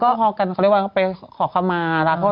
ก็เจอท่อกันคำเรียกว่าไปขอข้ามาร้าโทษ